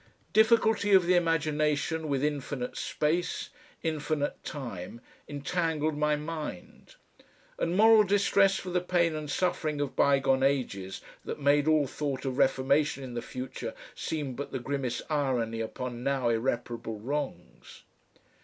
Difficulty of the imagination with infinite space, infinite time, entangled my mind; and moral distress for the pain and suffering of bygone ages that made all thought of reformation in the future seem but the grimmest irony upon now irreparable wrongs.